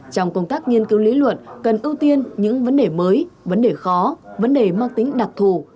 trong công tác nghiên cứu lý luận cần ưu tiên những vấn đề mới vấn đề khó vấn đề mang tính đặc thù